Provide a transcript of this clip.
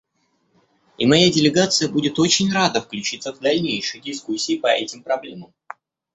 И моя делегация будет очень рада включиться в дальнейшие дискуссии по этим проблемам.